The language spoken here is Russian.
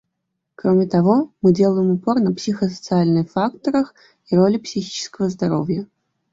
Кроме того, мы делаем упор на психосоциальных факторах и роли психического здоровья.